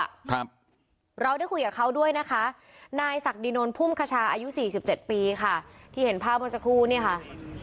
ครับเราได้คุยกับเขาด้วยนะคะนายศักดินนลพุ่มคชาอายุสี่สิบเจ็ดปีค่ะที่เห็นภาพเมื่อสักครู่เนี่ยค่ะ